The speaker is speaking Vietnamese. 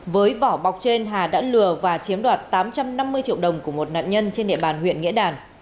với vỏ bọc trên hà đã lừa và chiếm đoạt tám trăm năm mươi triệu đồng của một nạn nhân trên địa bàn huyện nghĩa đàn